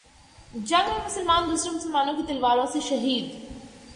جنگ میں مسلمان دوسرے مسلمانوں کی تلواروں سے شہید